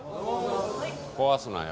壊すなよ。